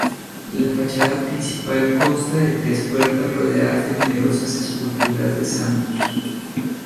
La fachada principal consta de tres puertas rodeadas de numerosas esculturas de santos.